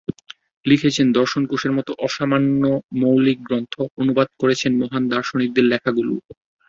লিখেছেন দর্শনকোষের মতো অসামান্য মৌলিক গ্রন্থ, অনুবাদ করেছেন মহান দার্শনিকদের লেখাগুলোও।